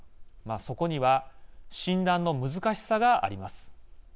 そこには診断の難しさがあります。